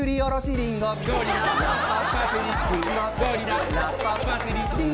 りんご、ゴリラ、ラッパ、パセリ。